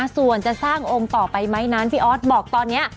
ส่วนจะสร้างองค์ต่อไปไหมนั้นพี่ออสบอกตอนนี้